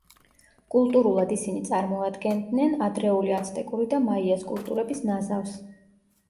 კულტურულად ისინი წარმოადგენდნენ ადრეული აცტეკური და მაიას კულტურების ნაზავს.